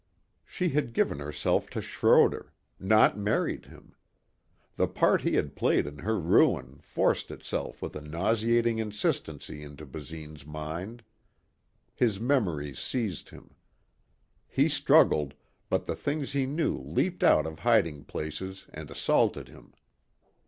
She had given herself to Schroder! Not married him.... The part he had played in her ruin forced itself with a nauseating insistency into Basine's mind. His memories seized him. He struggled, but the things he knew leaped out of hiding places and assaulted him.